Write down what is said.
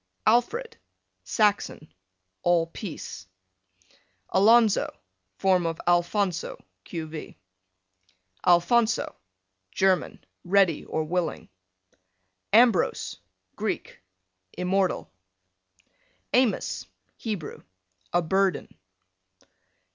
Alfred, Saxon, all peace. Alonzo, form of Alphonso, q. v. Alphonso. German, ready or willing. Ambrose, Greek, immortal. Amos, Hebrew, a burden.